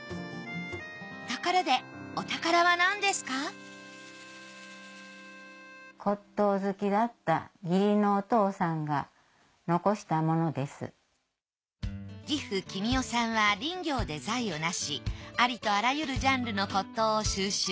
ところで義父喜美雄さんは林業で財を成しありとあらゆるジャンルの骨董を収集。